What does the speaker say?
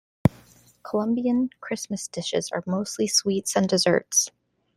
Colombian Christmas dishes are mostly sweets and desserts.